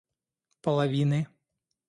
половины